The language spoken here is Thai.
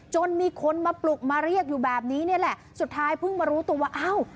จนมีคนมาปลุกมาเรียกอยู่แบบนี้นี่แหละสุดท้ายเพิ่งมารู้ตัวว่าอ้าว